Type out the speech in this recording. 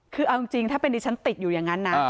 คือเอาจริงถ้าเป็นดิฉันติดอยู่อย่างนั้นนะ